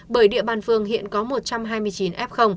bởi địa bàn phường hiện có một trăm hai mươi chín f